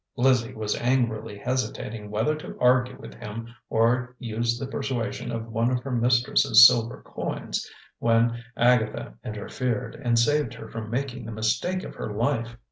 Lizzie was angrily hesitating whether to argue with him or use the persuasion of one of her mistress' silver coins, when Agatha interfered, and saved her from making the mistake of her life.